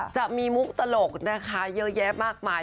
จะมีมุกตลกนะคะเยอะแยะมากมาย